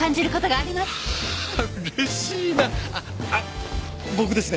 あっ僕ですね